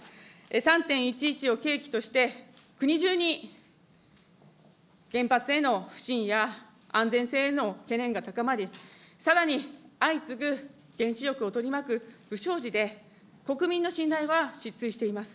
３・１１を契機として、国中に原発への不信や安全性への懸念が高まり、さらに相次ぐ原子力を取り巻く不祥事で、国民の信頼は失墜しています。